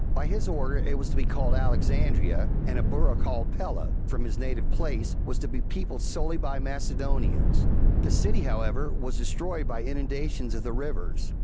By his order it was to be called Alexandria, and a borough called Pella, from his native place, was to be peopled solely by Macedonians ; the city, however, was de stroyed by inundations of the rivers.